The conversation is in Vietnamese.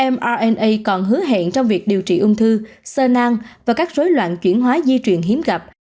bệnh viện trong việc điều trị ung thư sơ nang và các rối loạn chuyển hóa di truyền hiếm gặp